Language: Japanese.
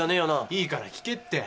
いいから聞けって。